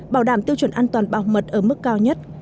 bảo đảm tiêu chuẩn an toàn bảo mật ở mức cao nhất